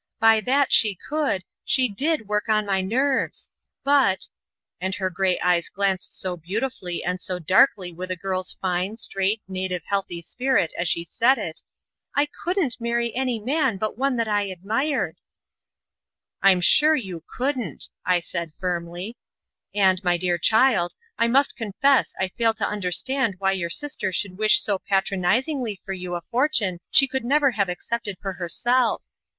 By that she could she did work on my nerves. But" and her gray eyes glanced so beautifully and so darkly with a girl's fine, straight, native, healthy spirit as she said it "I COULDN'T marry any man but one that I admired." "I'm sure you couldn't," I said, firmly. "And, my dear child, I must confess I fail to understand why your sister should wish so patronizingly for you a fortune she would never have accepted for herself.